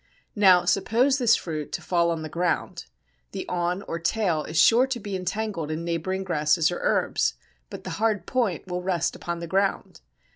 Now, suppose this fruit to fall on the ground, the awn or tail is sure to be entangled in neighbouring grasses or herbs, but the hard point will rest upon the ground.